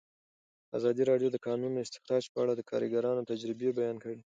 ازادي راډیو د د کانونو استخراج په اړه د کارګرانو تجربې بیان کړي.